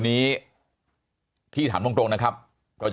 มีความรู้สึกว่า